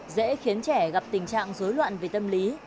dễ khiến trẻ gặp tình trạng dối loạn về tâm lý